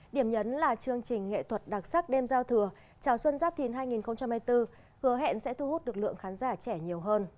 điểm nhấn là chương trình nghệ thuật đặc sắc đêm giao thừa chào xuân giáp thìn hai nghìn hai mươi bốn hứa hẹn sẽ thu hút được lượng khán giả trẻ nhiều hơn